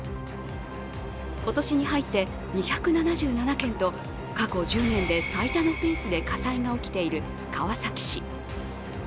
今年に入って２７７件と過去１０年で最多のペースで火災が起きている川崎市。